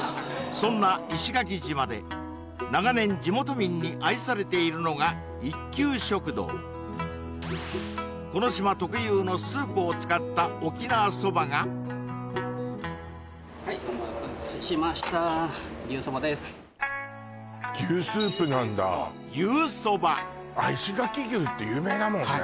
そんな石垣島で長年地元民に愛されているのがこの島特有のスープを使った沖縄そばがはい牛スープなんだあっ石垣牛って有名だもんね